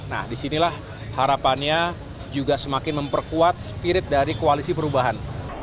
nah disinilah harapannya juga semakin memperkuat spirit dari koalisi perubahan